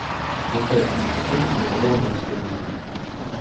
Никто этого не хотел, но другого нам теперь не дано.